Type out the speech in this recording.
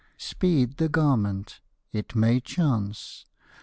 Speed the garment! It may chance.